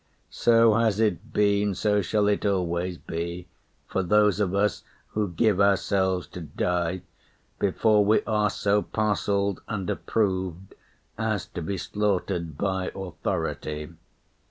So has it been, so shall it always be, For those of us who give ourselves to die Before we are so parcelled and approved As to be slaughtered by authority.